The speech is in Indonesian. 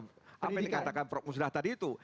apa yang dikatakan prof musrah tadi itu